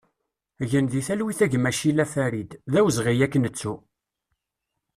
Gen di talwit a gma Cilla Farid, d awezɣi ad k-nettu!